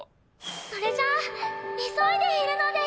それじゃあ急いでいるので。